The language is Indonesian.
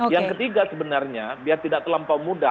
yang ketiga sebenarnya biar tidak terlampau mudah